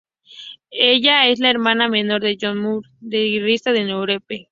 Ella es la hermana menor de John Norum, el guitarrista de Europe.